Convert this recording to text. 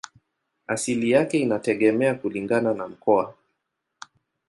Asili yake inategemea kulingana na mkoa.